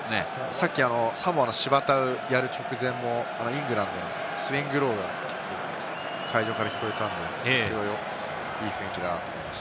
さっきサモアのシヴァタウやる直前もイングランド『ＳｗｉｎｇＬｏｗ』が会場から聞こえたんで、すごくいい雰囲気だったなと思います。